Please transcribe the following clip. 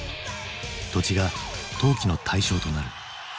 土地が投機の対象となる。